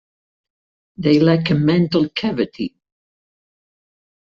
They lack a mantle cavity.